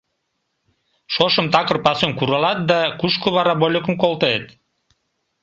Шошым такыр пасум куралат да кушко вара вольыкым колтет?